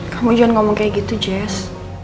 kamu jangan ngomong kayak gitu jazz